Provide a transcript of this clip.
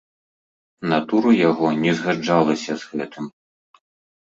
Натура яго не згаджалася з гэтым.